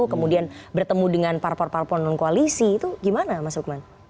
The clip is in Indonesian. kemudian bertemu dengan parpol parpol non koalisi itu gimana mas lukman